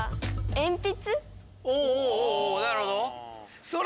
鉛筆？